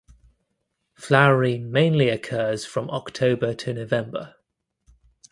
Flowering mainly occurs from October to November.